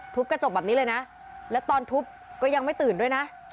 กระจกแบบนี้เลยนะแล้วตอนทุบก็ยังไม่ตื่นด้วยนะ